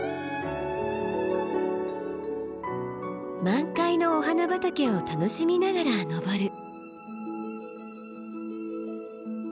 満開のお花畑を楽しみながら登る。